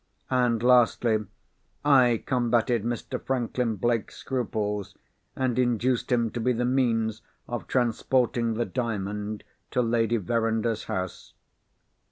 And, lastly, I combated Mr. Franklin Blake's scruples, and induced him to be the means of transporting the Diamond to Lady Verinder's house.